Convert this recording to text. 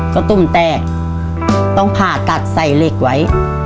ก็ตุ่มแตกต้องผ่าตัดใส่เหล็กไว้